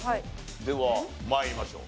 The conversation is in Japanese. では参りましょう。